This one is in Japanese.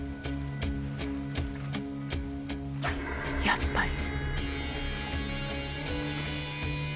やっぱり。